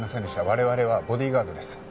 我々はボディーガードです。